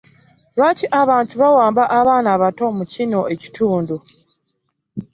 Lwaki abantu bawamba abaana abato mu kino ekitundu?